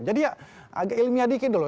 jadi ya agak ilmiah dikit dulu